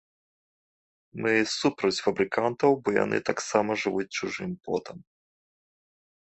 Мы супроць фабрыкантаў, бо яны таксама жывуць чужым потам.